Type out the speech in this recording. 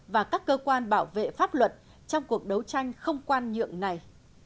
và các cơ quan bảo vệ pháp luật trong cuộc đấu tranh không khoan nhượng này